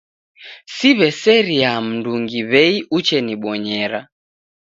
Siw'eseriaa mndungi w'ei uchenibonyera.